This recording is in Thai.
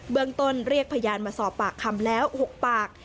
เมืองต้นเรียกพยานมาสอบปากคำแล้ว๖ปาก